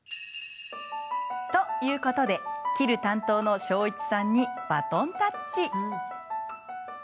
ということで切る担当の彰一さんにバトンタッチ。